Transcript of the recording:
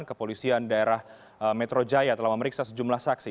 kepolisian daerah metro jaya telah memeriksa sejumlah saksi